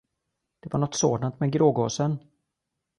Det var något sådant med grågåsen.